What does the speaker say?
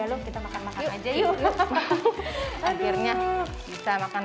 peletakannya aja yang enggak tepat gitu ya udah lu kita makan makan aja yuk akhirnya bisa makan